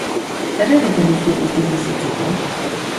Zer egiten duzu pozik bizitzeko?